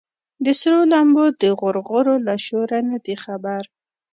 د سرو لمبو د غرغرو له شوره نه دي خبر